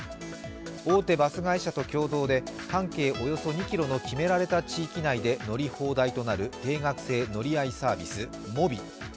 大手バス会社と共同で半径２ｋｍ以内の決められた地域内で乗り放題となる定額乗合サービス、ｍｏｂｉ。